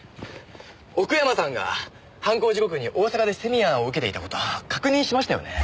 奥山さんが犯行時刻に大阪でセミナーを受けていた事確認しましたよね。